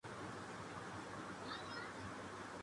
اپنے لیے کھڑا ہونے کے قابل ہوں